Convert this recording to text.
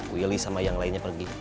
willy sama yang lainnya pergi